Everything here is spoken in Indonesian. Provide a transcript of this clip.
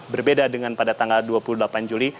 berbeda dengan pada tanggal dua puluh delapan juli